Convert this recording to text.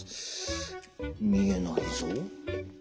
見えないぞ。